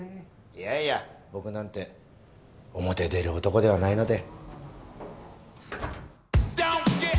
いやいや僕なんて表出る男ではないので。